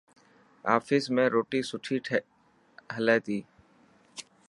آفيس ۾ روٽي سٺي هلي تي.